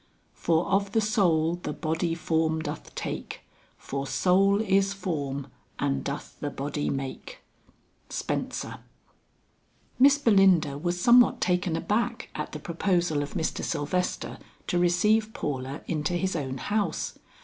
"For of the soul the body form doth take, For soul is form, and doth the body make." SPENSER. Miss Belinda was somewhat taken aback at the proposal of Mr. Sylvester to receive Paula into his own house.